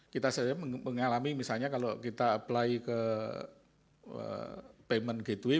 kita saja mengalami misalnya kalau kita apply ke payment gateway